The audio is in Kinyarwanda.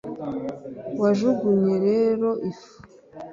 wajugunye rero ifu.